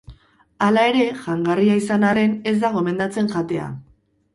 Hala ere, jangarria izan arren, ez da gomendatzen jatea.